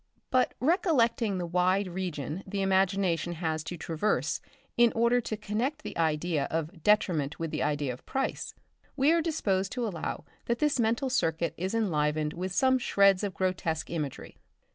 But recollecting the wide region the imagination has to traverse in order to connect the idea of detriment with the idea of price, we are disposed to allow that this mental circuit is enlivened with some shreds of grotesque imagery.